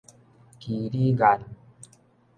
唭哩岸